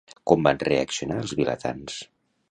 Com van reaccionar els vilatans?